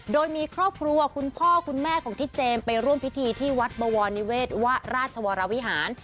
โดยมีครอบครัวคุณพ่อคุณแม่ของที่เจมส์ไปร่วมพิธีที่วัดบวรนิเวศวราชวรวิหาร